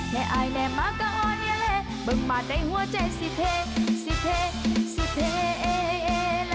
แค่อายแน่มากก็อ่อนเยอะเลยบึงบาดได้หัวใจสิเทสิเทสิเท